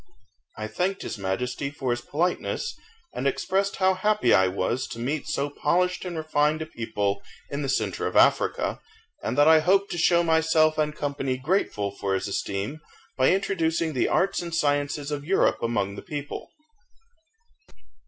I thanked his Majesty for his politeness, and expressed how happy I was to meet so polished and refined a people in the centre of Africa, and that I hoped to show myself and company grateful for his esteem, by introducing the arts and sciences of Europe among the people.